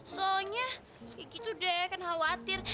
soalnya kayak gitu deh aku khawatir